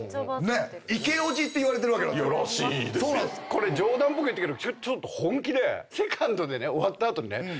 これ冗談っぽく言ってるけどちょっと本気で。